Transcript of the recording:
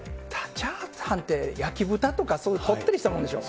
チャーハンって焼き豚とか、そういうこってりしたものでしょ。